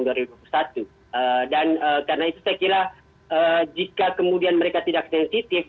dan karena itu saya kira jika kemudian mereka tidak sensitif